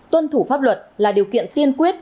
tuân thủ pháp luật là điều kiện tiên quyết